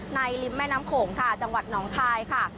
ริมแม่น้ำโขงค่ะจังหวัดหนองคายค่ะ